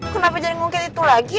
kenapa jadi mungkin itu lagi